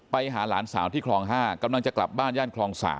ไปหาหลานสาวที่คลอง๕กำลังจะกลับบ้านย่านคลอง๓